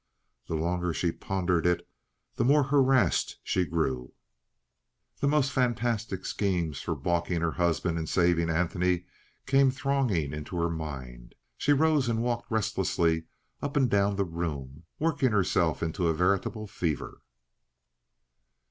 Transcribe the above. The longer she pondered it the more harassed she grew. The most fantastic schemes for baulking her husband and saving Antony came thronging into her mind. She rose and walked restlessly up and down the room, working herself up into a veritable fever.